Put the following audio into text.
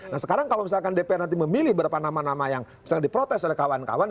nah sekarang kalau misalkan dpr nanti memilih berapa nama nama yang misalnya diprotes oleh kawan kawan